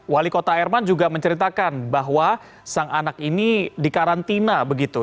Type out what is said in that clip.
wali kota herman juga menceritakan bahwa sang anak ini dikarantina begitu